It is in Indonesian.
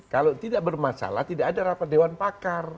kalau tidak bermasalah tidak ada rapat dewan pakar